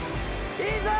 いいぞ！